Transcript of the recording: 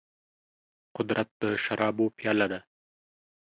قدرت د شرابو پياله ده.